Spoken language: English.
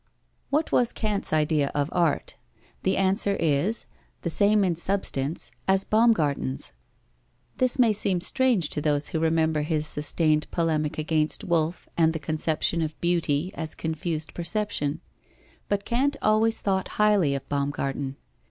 What was Kant's idea of art? The answer is: the same in substance as Baumgarten's. This may seem strange to those who remember his sustained polemic against Wolf and the conception of beauty as confused perception. But Kant always thought highly of Baumgarten.